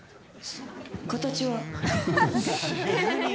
形は。